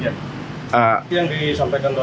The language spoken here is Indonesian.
akan kita melihat laporannya